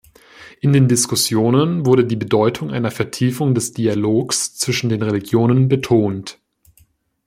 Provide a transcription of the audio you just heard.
In den Diskussionen wurde die Bedeutung einer Vertiefung des Dialogs zwischen den Religionen betont.